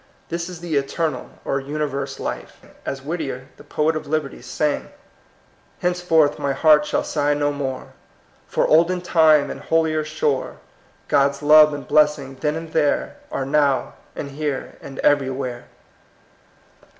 This is the eternal, or universe life. As Whittier, the poet of liberty, sang: —'* Henceforth my heart shall sigh no more For olden time and holier shore ; Grod's love and blessing then and there Are now and here and everywhere.'